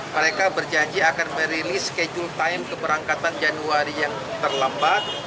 mereka berjanji akan merilis schedule time keberangkatan januari yang terlambat